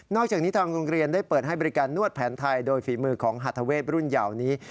อกจากนี้ทางโรงเรียนได้เปิดให้บริการนวดแผนไทยโดยฝีมือของหัทเวศรุ่นยาวนี้